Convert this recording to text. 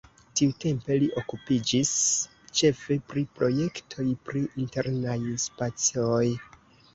Tiutempe li okupiĝis ĉefe pri projektoj pri internaj spacoj.